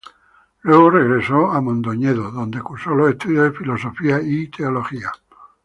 Luego, regresó a Mondoñedo, donde cursó los estudios de Filosofía y Teología.